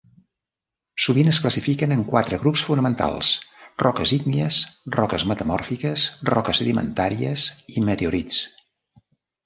Sovint es classifiquen en quatre grups fonamentals: roques ígnies, roques metamòrfiques, roques sedimentàries i meteorits.